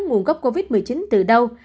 nguồn gốc covid một mươi chín từ đâu